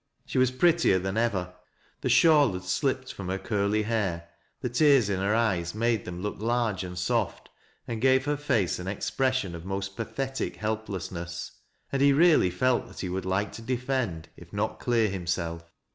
She ww MASTER LANDBELL'S SON. I53 prettier thau ever, the shawl had slipped from her ciirly hair, the tears in her eyes made them look large and soft, and gave her face an expression of most pathetic helpless ness, — and he really felt that he would like to defend, if not clear himself.